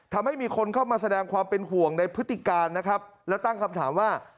ทำให้มีคนเข้ามาแสดงความเป็นห่วงในพฤติการนะครับแล้วตั้งคำถามว่า